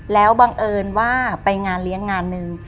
แล้วบังเอิญว่าไปงานเลี้ยงงานหนึ่ง